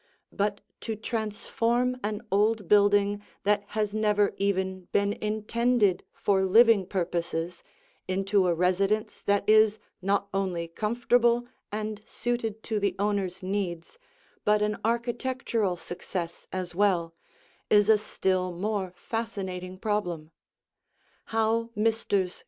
But to transform an old building that has never even been intended for living purposes into a residence that is not only comfortable and suited to the owner's needs but an architectural success as well, is a still more fascinating problem. How Messrs.